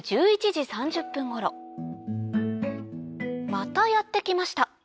またやって来ました